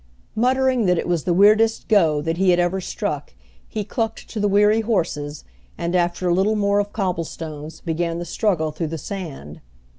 Muttering that it was the weirdest go that he had ever struck, he clucked to the weary horses, and after a little more of cobblestones, began the struggle through the sand.